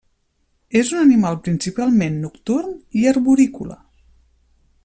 És un animal principalment nocturn i arborícola.